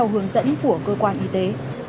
của cơ quan y tế